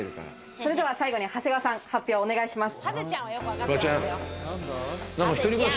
それでは最後に長谷川さん、発表をお願いします。